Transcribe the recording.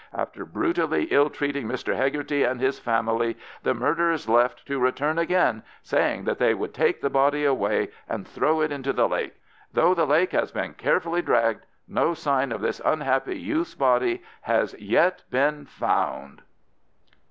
"After brutally ill treating Mr Hegarty and his family, the murderers left, to return again, saying that they would take the body away and throw it into the lake. Though the lake has been carefully dragged, no sign of this unhappy youth's body has yet been found."